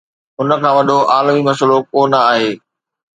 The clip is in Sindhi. ان کان وڏو عالمي مسئلو ڪو نه آهي.